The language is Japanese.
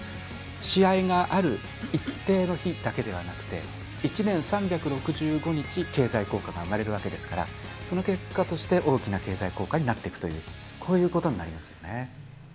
試合がある一定の日だけではなくて、１年３６５日、経済効果が生まれるわけですから、その結果として、大きな経済効果になっていくという、こういうことになりますよね。